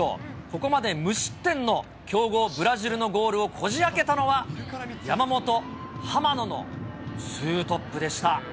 ここまで無失点の強豪ブラジルのゴールをこじあけたのは、山本、浜野のツートップでした。